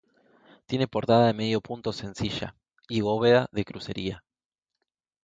Tiene portada de medio punto sencilla, y bóveda de crucería.